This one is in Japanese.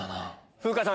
風花さん